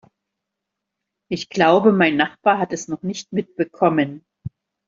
Ich glaube, mein Nachbar hat es noch nicht mitbekommen.